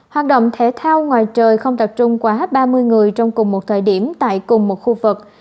hoạt động thể thao ngoài trời không tập trung quá ba mươi người trong cùng một thời điểm tại cùng một khu vực